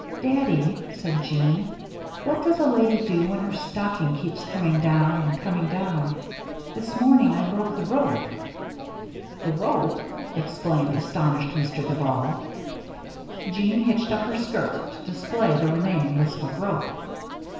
"Daddy," said Jeanne, "what does a lady do when her stocking keeps coming down and coming down? This morning I broke the rope " "The rope!" exclaimed astonished Mr. Duval. Jeanne hitched up her skirt to display the remaining wisp of rope.